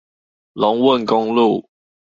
龍汶公路